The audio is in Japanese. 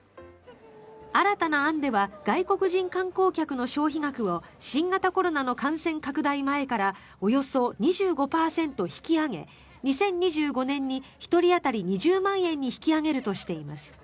新たな案では外国人観光客の消費額を新型コロナの感染拡大前からおよそ２５％引き上げ２０２５年に１人当たり２０万円に引き上げるとしています。